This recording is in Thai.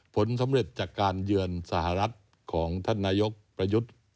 ผลสำเร็จจากการเยือนสหรัฐของท่านนายกประยุทธ์